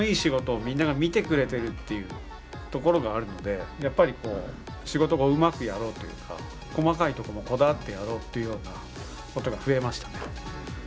っていうところがあるのでやっぱり仕事をうまくやろうというか細かいところもこだわってやろうというようなことが増えましたね。